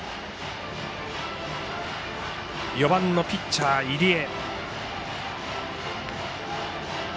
４番のピッチャー入江。